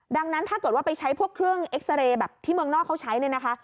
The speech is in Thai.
ดังนั้นถ้าเกิดว่าไปใช้พวกเครื่องเอ็กซ์เรย์ที่เมืองนอกเขาใช้